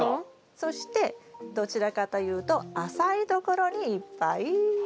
そしてどちらかというと浅いところにいっぱい。